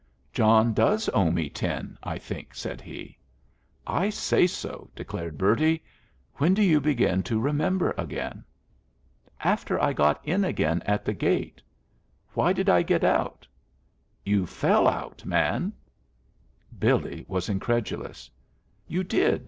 "John does owe me ten, I think," said he. "I say so," declared Bertie. "When do you begin to remember again?" "After I got in again at the gate. Why did I get out?" "You fell out, man." Billy was incredulous. "You did.